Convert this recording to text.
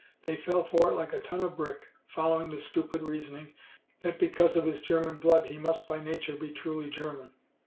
They fell for it like a ton of brick, following the stupid reasoning that because of his German blood he must by nature be truly German.